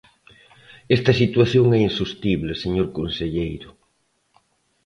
Esta situación é insostible, señor conselleiro.